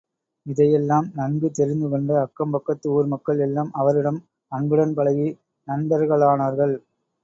இதையெல்லாம் நன்கு தெரிந்து கொண்ட அக்கம் பக்கத்து ஊர் மக்கள் எல்லாம் அவரிடம் அன்புடன் பழகி நண்பர்களானார்கள்.